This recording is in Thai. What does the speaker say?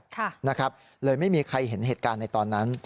ค่ะนะครับเลยไม่มีใครเห็นเหตุการณ์ในตอนนั้น